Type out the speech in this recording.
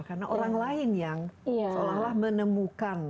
karena orang lain yang seolah olah menemukan